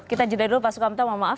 kita jeda dulu pak sukamta mohon maaf